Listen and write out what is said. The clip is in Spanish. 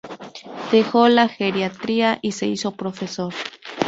Dejó la geriatría y se hizo profesor.